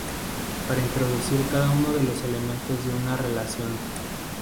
Para introducir cada uno de los elementos de una relación.